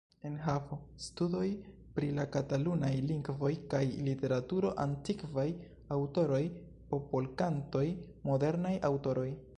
Enhavo: Studoj pri la katalunaj lingvo kaj literaturo; Antikvaj aŭtoroj; Popolkantoj; Modernaj aŭtoroj.